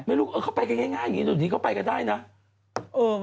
ไม่รู้เขาไปง่ายอย่างนี้ก็ไปก็ได้เนอะ